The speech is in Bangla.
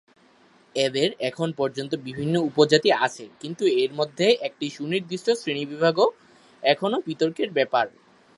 এদের এখন পর্যন্ত বিভিন্ন উপজাতি আছে কিন্তু এর মধ্যে একটি সুনির্দিষ্ট শ্রেণীবিভাগ এখনও বিতর্কের ব্যাপার।